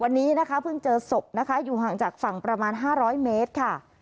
วันนี้นะคะเพิ่งเจอศพนะคะอยู่ห่างจากฝั่งประมาณ๕๐๐เมตรค่ะ